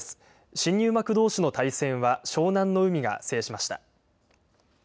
新入幕どうしの対戦は湘南乃海が制しました。